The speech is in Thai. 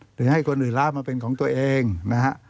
หรือให้คนอื่นรับมาเป็นของตัวเองนะฮะ